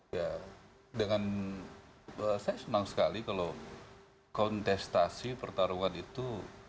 ya dengan saya senang sekali kalau kontestasi pertarungan itu